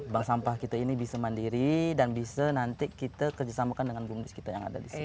bank sampah kita ini bisa mandiri dan bisa nanti kita kerjasamakan dengan bumdes kita yang ada di sini